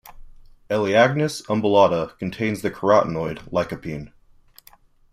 "Elaeagnus umbellata" contains the carotenoid, lycopene.